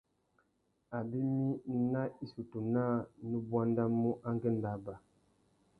Abimî nà issutu naā nu buandamú angüêndô abà.